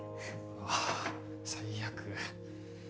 あぁ最悪。